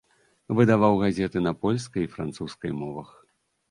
Выдаваў газеты на польскай і французскай мовах.